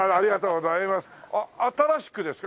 新しくですか？